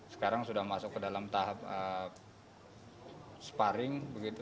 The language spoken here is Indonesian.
sekarang sudah masuk ke dalam tahap sparring